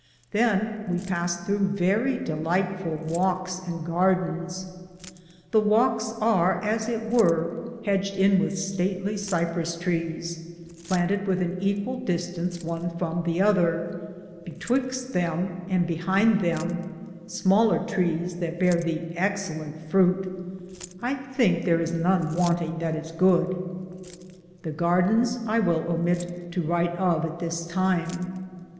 ... Than we passed throughe verrie Delitfull walkes and garthins ; the walkes ar, as it weare, hedged in with statly siprus tres, planted with an equale Distance one from thother, betwyxte them and behinde them, smaler tres that bearethe excelente frute ; I thinke thare is none wanting that is good. The garthenes I will omite to wryte of at this time.